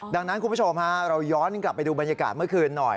ดังนั้นคุณผู้ชมฮะเราย้อนกลับไปดูบรรยากาศเมื่อคืนหน่อย